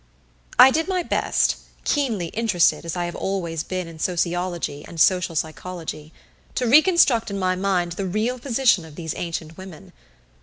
I did my best, keenly interested as I have always been in sociology and social psychology, to reconstruct in my mind the real position of these ancient women.